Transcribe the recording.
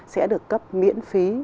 sẽ được cấp miễn phí